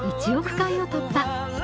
１億回を突破。